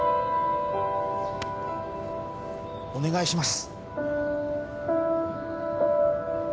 お願いします